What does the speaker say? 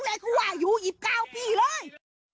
ป้าเลยคือว่าอยู่หยิบเก้าพี่เลย